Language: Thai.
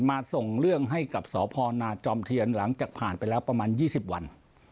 ส่งเรื่องให้กับสพนาจอมเทียนหลังจากผ่านไปแล้วประมาณ๒๐วัน